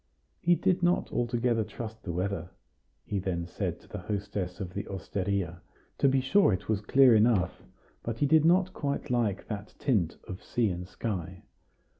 He did not altogether trust the weather, he then said to the hostess of the osteria; to be sure, it was clear enough, but he did not quite like that tint of sea and sky.